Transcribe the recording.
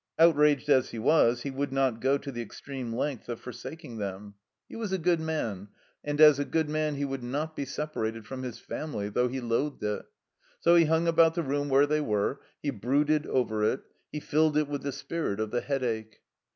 Outraged as he was, he would not go to the extreme length of forsaking them. He was a good man; and, as a good man, he would not be separated from his family, though he loathed it. So he himg about the room where they were ; he brooded over it ; he filled it with the spirit of the Headache.